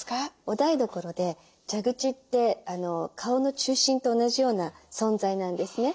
お台所で蛇口って顔の中心と同じような存在なんですね。